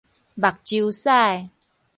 目睭屎